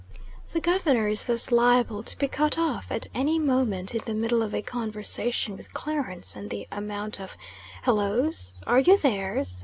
The Governor is thus liable to be cut off at any moment in the middle of a conversation with Clarence, and the amount of "Hellos" "Are you theres?"